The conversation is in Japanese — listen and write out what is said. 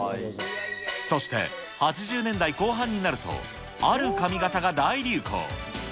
そして、８０年代後半になるとある髪形が大流行。